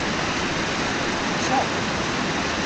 Tečča.